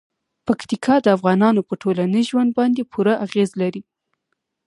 پکتیکا د افغانانو په ټولنیز ژوند باندې پوره اغېز لري.